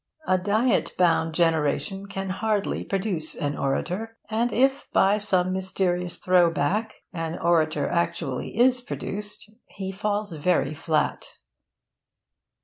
A diet bound generation can hardly produce an orator; and if, by some mysterious throw back, an orator actually is produced, he falls very flat.